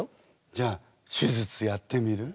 じゃあ手術やってみる？